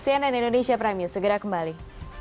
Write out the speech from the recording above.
cnn indonesia prime news segera kembali